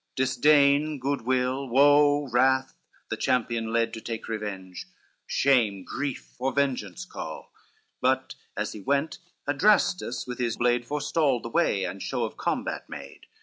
Disdain, good will, woe, wrath the champion led To take revenge; shame, grief, for vengeance call; But as he went, Adrastus with his blade Forestalled the way, and show of combat made.